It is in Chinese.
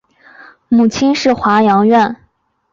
母亲是华阳院。